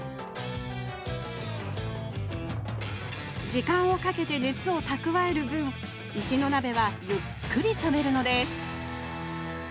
時間をかけて熱を蓄える分石の鍋はゆっくり冷めるのです